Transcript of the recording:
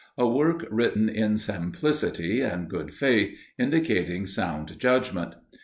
A work written in simplicity and good faith, indicating sound judgment.